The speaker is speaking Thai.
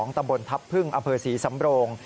ตำบลทัพพึ่งอำเภอศรีสำโรง